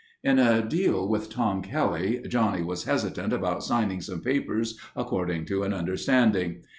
In a deal with Tom Kelly, Johnny was hesitant about signing some papers according to an understanding.